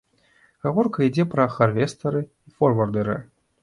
Гаворка ідзе пра харвестары і форвардэры.